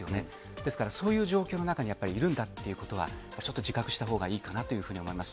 ですからそういう状況の中にやっぱりいるんだっていうことはちょっと自覚したほうがいいかなというふうに思います。